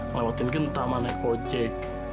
ngelewatin genta sama neko jack